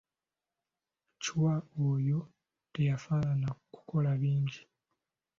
Chwa oyo teyafaanana kukola bingi.